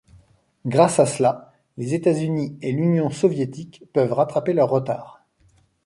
Grâce à cela, les États-Unis et l'Union soviétique peuvent rattraper leur retard.